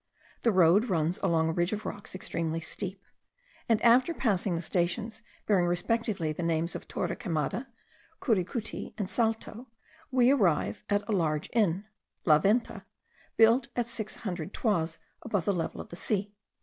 The road runs along a ridge of rocks extremely steep, and after passing the stations bearing respectively the names of Torre Quemada, Curucuti, and Salto, we arrive at a large inn (La Venta) built at six hundred toises above the level of the sea.